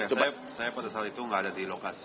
saya pada saat itu nggak ada di lokasi